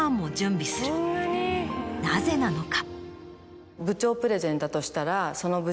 なぜなのか？